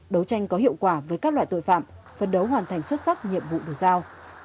đấu tranh có hiệu quả với các loại tội phạm phân đấu hoàn thành xuất sắc nhiệm vụ được giao